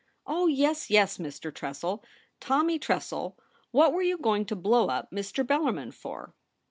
'Oh yes; yes, Mr. Tressel — Tommy Tressel, what were you going to blow up Mr. Bellarmin for